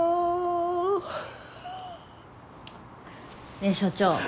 ねえ所長。